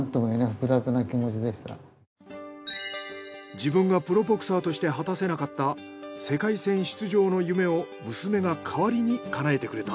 自分がプロボクサーとして果たせなかった世界戦出場の夢を娘が代わりに叶えてくれた。